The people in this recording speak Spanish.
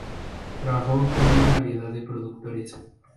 Trabajó con una variedad de productores.